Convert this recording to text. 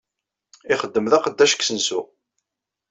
Ixeddem d aqeddac deg usensu.